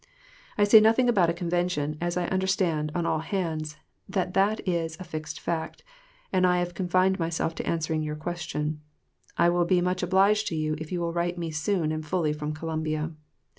I say nothing about a convention, as I understand, on all hands, that that is a fixed fact, and I have confined myself to answering your question. I will be much obliged to you if you will write me soon and fully from Columbia.